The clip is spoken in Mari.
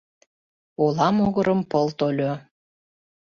Ола могырым пыл тольо